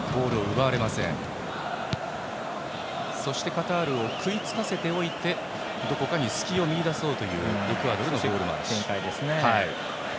カタールをくいつかせておいてどこかに隙を見いだそうというエクアドルのボール回し。